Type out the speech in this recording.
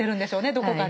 どこかで。